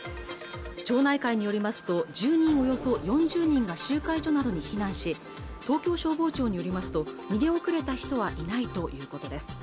町内会によりますと住民およそ４０人が集会所などに避難し東京消防庁によりますと逃げ遅れた人はいないということです